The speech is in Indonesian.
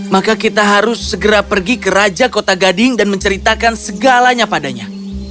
maka kita harus segera pergi ke raja kota gading dan menceritakan segalanya padanya